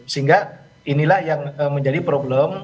sehingga inilah yang menjadi problem